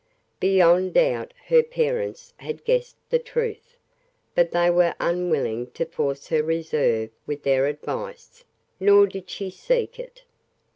Beyond doubt her parents had guessed the truth; but they were unwilling to force her reserve with their advice, nor did she seek it.